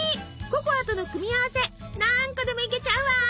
ココアとの組み合わせ何個でもいけちゃうわ！